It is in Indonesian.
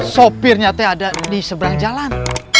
sopirnya itu ada di seberang jalan